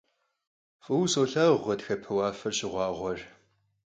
F'ıue solhağur ğatxepe vuafer şığuağuer.